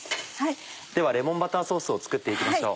ではレモンバターソースを作って行きましょう。